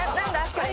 これ。